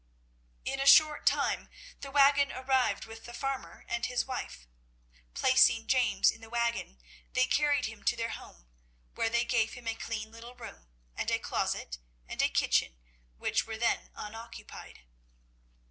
In a short time the waggon arrived with the farmer and his wife. Placing James in the waggon they carried him to their home, where they gave him a clean little room, and a closet and a kitchen which were then unoccupied.